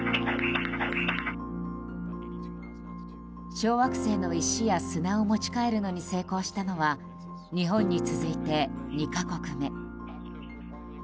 小惑星の石や砂を持ち帰るのに成功したのは日本に続いて２か国目。